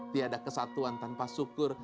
tiada kesatuan tanpa syukur